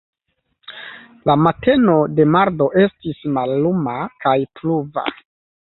La mateno de mardo estis malluma kaj pluva.